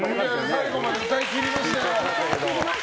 最後まで歌い切りましたよ。